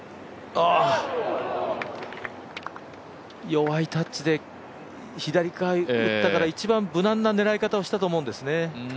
弱いタッチで左から打ったから一番無難な狙い方をしたと思うんですよね。